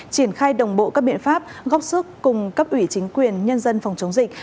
triển khai đồng bộ các biện pháp góp sức cùng cấp ủy chính quyền nhân dân phòng chống dịch